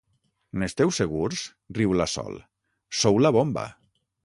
N'esteu segurs? —riu la Sol— Sou la bomba!